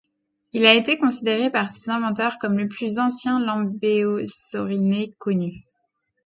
Il a été considéré par ses inventeurs comme le plus ancien lambéosauriné connu.